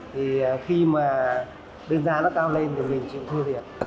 thì khi mà đơn giá nó cao lên thì mình chịu thua việc